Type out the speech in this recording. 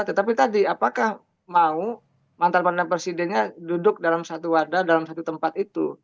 tetapi tadi apakah mau mantan mantan presidennya duduk dalam satu wadah dalam satu tempat itu